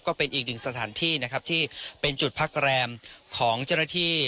ก็เป็นอีกหนึ่งสถานที่นะครับที่เป็นจุดพักแรมของเจ้าหน้าที่